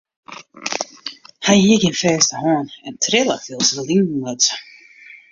Hy hie gjin fêste hân en trille wylst er linen luts.